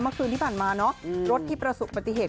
เมื่อคืนที่ผ่านมาเนอะรถที่ประสบปฏิเหตุ